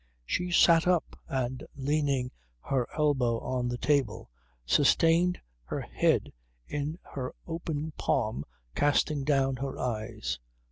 She sat up and leaning her elbow on the table sustained her head in her open palm casting down her eyes.